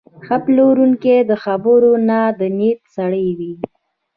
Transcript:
ښه پلورونکی د خبرو نه، د نیت سړی وي.